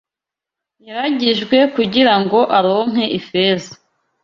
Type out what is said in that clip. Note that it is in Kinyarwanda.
yaragijwe kugira ngo aronke ifeza